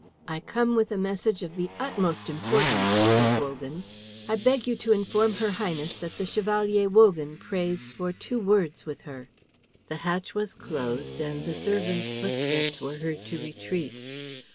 "I come with a message of the utmost importance," said Wogan. "I beg you to inform her Highness that the Chevalier Wogan prays for two words with her." The hatch was closed, and the servant's footsteps were heard to retreat.